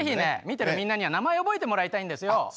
見てるみんなには名前覚えてもらいたいんですよ。